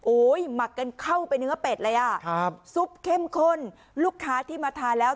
โอ้โหหมักกันเข้าไปเนื้อเป็ดเลยอ่ะครับซุปเข้มข้นลูกค้าที่มาทานแล้ว